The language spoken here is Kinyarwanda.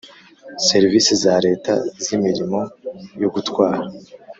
serivise za Leta z imirimo yo gutwara